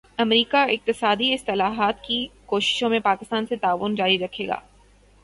امریکا اقتصادی اصلاحات کی کوششوں میں پاکستان سے تعاون جاری رکھے گا